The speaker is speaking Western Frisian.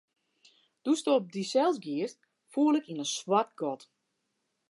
Doe'tsto op dysels giest, foel ik yn in swart gat.